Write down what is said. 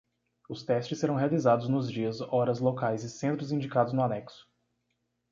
Os testes serão realizados nos dias, horas, locais e centros indicados no anexo.